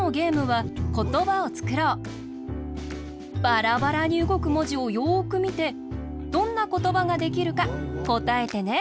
バラバラにうごくもじをよくみてどんなことばができるかこたえてね。